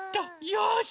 よし。